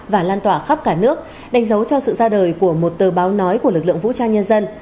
và lan tỏa khắp cả nước đánh dấu cho sự ra đời của một tờ báo nói của lực lượng vũ trang nhân dân